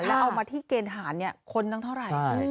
แล้วเอามาที่เกณฑ์ฐานคนตั้งเท่าไหร่